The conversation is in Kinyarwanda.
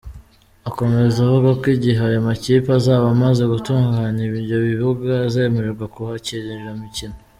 Akomeza avuga ko igihe ayo makipe azaba amaze gutunganya ibyo bibuga, azemerwa kuhakirira imikino.